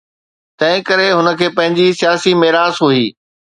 تنهنڪري هن کي پنهنجي سياسي ميراث هئي.